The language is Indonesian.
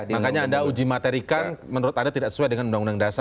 makanya anda uji materikan menurut anda tidak sesuai dengan undang undang dasar